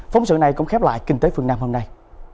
phóng sự này cũng khép lại kinh tế phương nam hôm nay